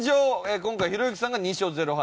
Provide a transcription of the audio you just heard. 今回ひろゆきさんが２勝０敗。